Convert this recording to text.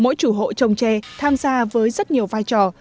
mỗi chủ hộ trồng trè tham gia với rất nhiều vai trò